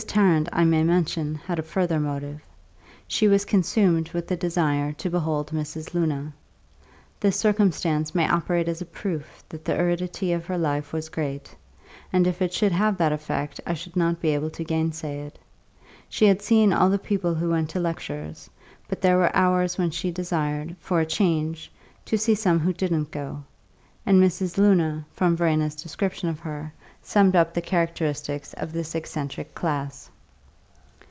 Tarrant, I may mention, had a further motive: she was consumed with the desire to behold Mrs. Luna. This circumstance may operate as a proof that the aridity of her life was great, and if it should have that effect I shall not be able to gainsay it. She had seen all the people who went to lectures, but there were hours when she desired, for a change, to see some who didn't go; and Mrs. Luna, from Verena's description of her, summed up the characteristics of this eccentric class.